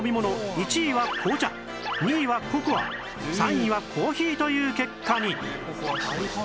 １位は紅茶２位はココア３位はコーヒーという結果に